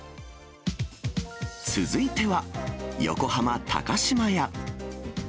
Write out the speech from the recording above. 続いては、横浜高島屋。